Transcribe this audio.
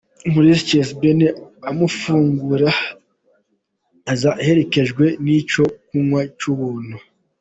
Muri Chez Benny amafunguro aza aherekejwe n’icyo kunywa cy’ubuntu.